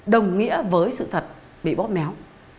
đồng nghĩa với sự thật bị bóp méo